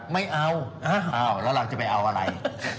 ไม่เอาแล้วเราจะไปเอาอะไร